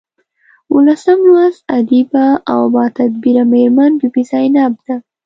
اوولسم لوست ادیبه او باتدبیره میرمن بي بي زینب ده.